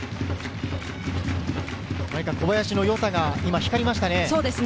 小林の良さが光りましたね。